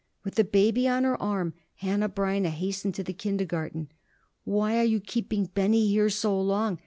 With the baby on her arm, Hanneh Breineh hastened to the kindergarten. "Why are you keeping Benny here so long?"